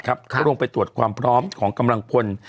ก็ลงไปตรวจความพร้อมของกำลังพล